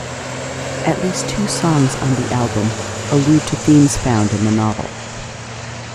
At least two songs on the album allude to themes found in the novel.